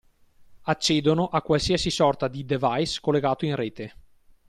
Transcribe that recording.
Accedono a qualsiasi sorta di device collegato in rete.